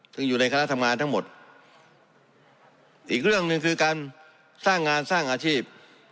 ซึ่งอยู่ในคณะทำงานทั้งหมดอีกเรื่องหนึ่งคือการสร้างงานสร้างอาชีพ